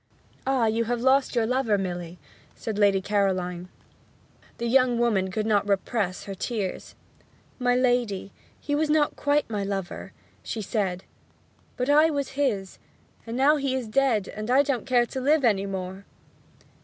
'Ah, you have lost your lover, Milly,' said Lady Caroline. The young woman could not repress her tears. 'My lady, he was not quite my lover,' she said. 'But I was his and now he is dead I don't care to live any more!'